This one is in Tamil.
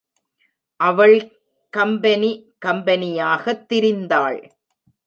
அவள் கம்பெனி கம்பெனியாகத் திரிந்தாள்.